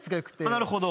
なるほど。